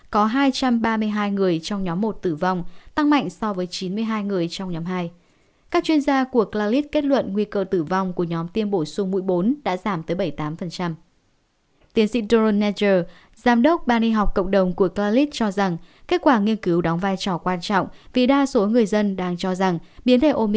có hai trăm ba mươi hai người trong nhóm một tử vong tăng mạnh so với chín mươi hai người trong nhóm hai